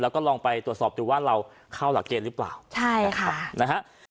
แล้วก็ลองไปตรวจสอบดูว่าเราเข้าหลักเกณฑ์หรือเปล่าใช่ค่ะนะฮะ